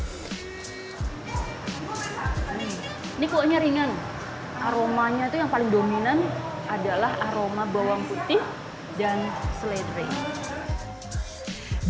ini kuahnya ringan aromanya itu yang paling dominan adalah aroma bawang putih dan seledri